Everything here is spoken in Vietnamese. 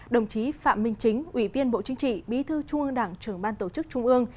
đồng chí phạm minh chính ủy viên bộ chính trị bí thư trung ương đảng trưởng ban tổ chức trung ương